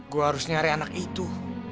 gue harus nyari anak itu